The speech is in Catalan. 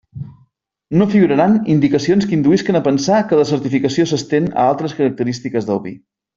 No figuraran indicacions que induïsquen a pensar que la certificació s'estén a altres característiques del vi.